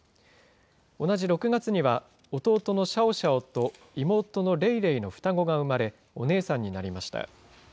同じ６月には、弟のシャオシャオと妹のレイレイの双子が生まれ、お姉さんになりました。